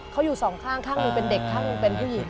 เขาอยู่สองข้างข้างหนึ่งเป็นเด็กข้างหนึ่งเป็นผู้หญิง